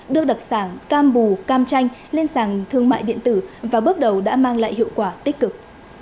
đưa đặc sản cam bù cam lên sàn thương mại điện tử và bước đầu đã mang lại hiệu quả tích cực